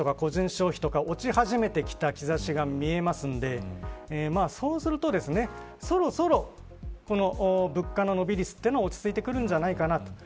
消費とかが落ち始めてきた兆しが見えるのでそうすると、そろそろこの物価の伸び率というのが落ち着いてくるんじゃないかなと。